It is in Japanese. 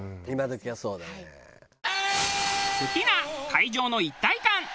好きな会場の一体感。